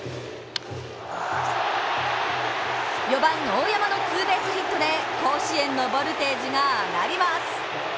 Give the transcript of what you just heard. ４番・大山のツーベースヒットで甲子園のボルテージが上がります。